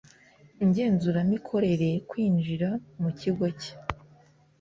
ngenzuramikorere kwinjira mu kigo cye